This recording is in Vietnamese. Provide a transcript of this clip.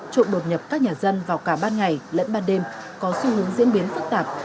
trộm đột nhập các nhà dân vào cả ban ngày lẫn ban đêm có xu hướng diễn biến phức tạp